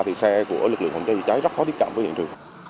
thì xe của lực lượng hành cây cháy rất khó tiếp cận với hiện trường